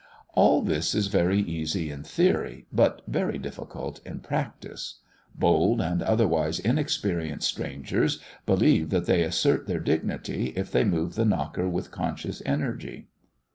All this is very easy in theory but very difficult in practice. Bold, and otherwise inexperienced, strangers believe that they assert their dignity, if they move the knocker with conscious energy.